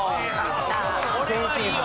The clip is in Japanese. これはいいよ！